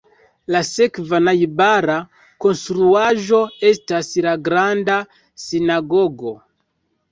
La sekva najbara konstruaĵo estas la Granda Sinagogo.